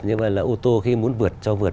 như là ô tô khi muốn vượt châu vượt